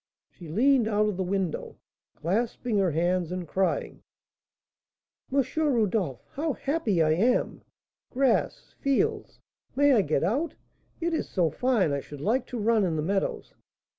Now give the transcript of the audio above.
She leaned out of the window, clasping her hands, and crying: "M. Rodolph, how happy I am! Grass! Fields! May I get out? It is so fine! I should so like to run in the meadows."